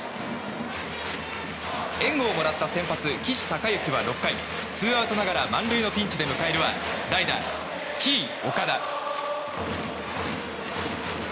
援護をもらった先発岸孝之は６回ツーアウトながら満塁のピンチで迎えるは代打、Ｔ‐岡田。